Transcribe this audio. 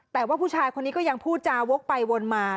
แต่ว่าผู้ชายคนนี้ก็ยังพูดจาวกไปวนมา